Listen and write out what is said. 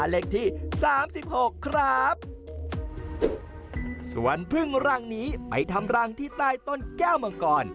เลขที่สามสิบหกครับส่วนพึ่งรังนี้ไปทำรังที่ใต้ต้นแก้วมังกร